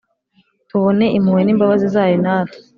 tubone impuhwe n'imbabazi zayo natwe